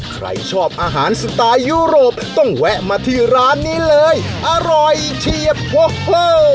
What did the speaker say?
ใครชอบอาหารสไตล์ยุโรปต้องแวะมาที่ร้านนี้เลยอร่อยเฉียบโฮ